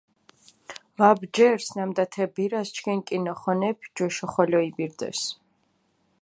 მა ბჯერს, ნამდა თე ბირას ჩქინ კჷნოხონეფი ჯვეშო ხოლო იბირდეს.